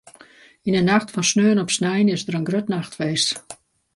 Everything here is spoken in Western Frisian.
Yn 'e nacht fan sneon op snein is der in grut nachtfeest.